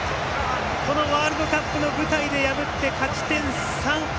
このワールドカップの舞台で破って勝ち点３！